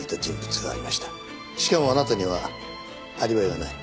しかもあなたにはアリバイがない。